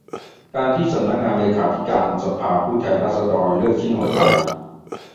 การที่สำนักงานเลขาธิการสภาผู้แทนราษฎร เลือก ชิโนไทย